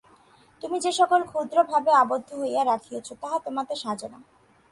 তুমি যে-সকল ক্ষুদ্র ভাবে আবদ্ধ হইয়া রহিয়াছ, তাহা তোমাতে সাজে না।